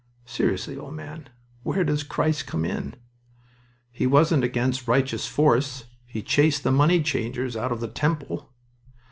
"Seriously, old man. Where does Christ come in?" "He wasn't against righteous force. He chased the money changers out of the Temple."